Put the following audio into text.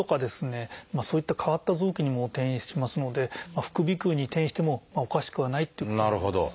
そういった変わった臓器にも転移しますので副鼻腔に転移してもおかしくはないっていうことになります。